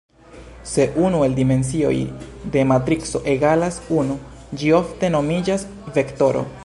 Se unu el dimensioj de matrico egalas unu, ĝi ofte nomiĝas vektoro.